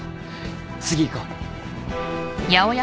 次行こう。